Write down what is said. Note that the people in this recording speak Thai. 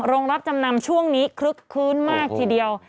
โรงรับจำนำช่วงนี้คลึกคลื้นมากทีเดียว